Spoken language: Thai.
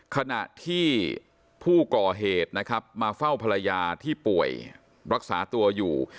ขณะที่ผู้ก่อเหตุนะครับมาเฝ้าภรรยาที่ป่วยรักษาตัวอยู่